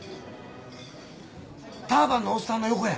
ターバンのおっさんの横や。